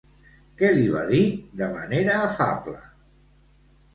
Què li va dir, de manera afable?